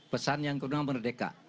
pesan yang kenal merdeka